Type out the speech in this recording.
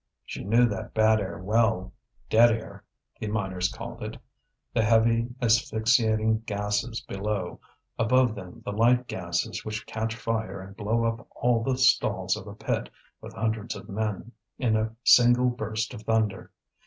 She knew that bad air well; dead air the miners called it; the heavy asphyxiating gases below, above them the light gases which catch fire and blow up all the stalls of a pit, with hundreds of men, in a single burst of thunder.